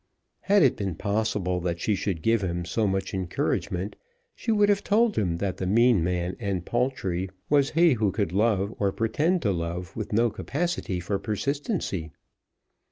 Had it been possible that she should give him so much encouragement she would have told him that the mean man, and paltry, was he who could love or pretend to love with no capacity for persistency.